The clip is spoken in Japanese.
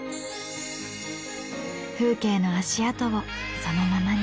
風景の足跡をそのままに。